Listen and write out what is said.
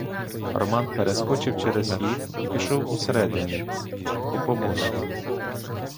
Роман перескочив через їх і пішов усередині по помосту.